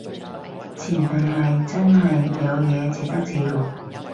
前提係真係有嘢值得自豪